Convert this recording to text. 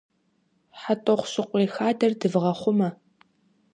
ХьэтӀохъущыкъуей хадэр дывгъэхъумэ!